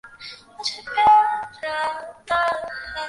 মেয়েটির কোনো হদিস নেই।